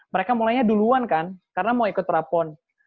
mereka mulainya duluan kan karena mau ikut terapon